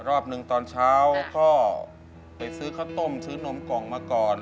รอบหนึ่งตอนเช้าก็ไปซื้อข้าวต้มซื้อนมกล่องมาก่อน